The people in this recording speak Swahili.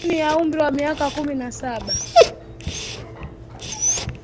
chini ya umri wa miaka kumi na saba